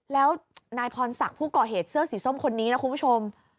แล้วนายพรศักดิ์ผู้ก่อเหตุเสื้อสีส้มคนนี้นะคุณผู้ชม